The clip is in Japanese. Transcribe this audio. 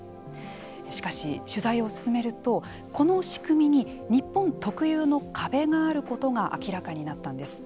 しかし、取材を進めるとこの仕組みに日本特有の壁があることが明らかになったんです。